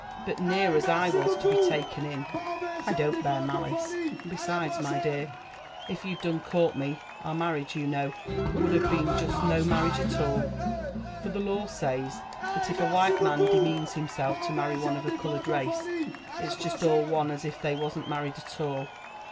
But near as I was to be taken in, I don't bear malice ; and besides, my dear, if you had done caught me, our marriage, you know, would have . been just no marriage at all ; for the law says, that if a white man de means himself to marry one of a coloured race, it's just all one as if Hiey wasn't married at all.